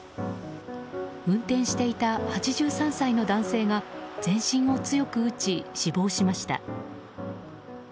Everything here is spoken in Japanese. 運転していた８３歳の男性が全身を強く打ち、死亡しました。